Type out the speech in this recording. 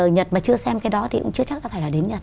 nhật mà chưa xem cái đó thì cũng chưa chắc là phải là đến nhật